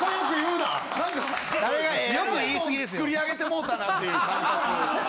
えらいもん作り上げてもうたなっていう感覚。